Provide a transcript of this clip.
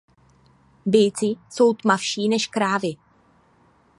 Býci jsou tmavší než krávy.